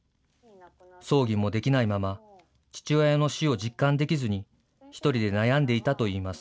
葬儀もできないまま、父親の死を実感できずに、一人で悩んでいたといいます。